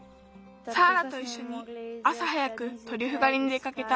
サーラといっしょにあさ早くトリュフがりに出かけた。